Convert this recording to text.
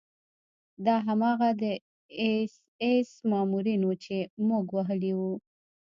دا هماغه د اېس ایس مامورین وو چې موږ وهلي وو